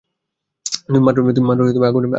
তুমি মাত্রই আগুনের উৎস খুঁজে পেয়েছো।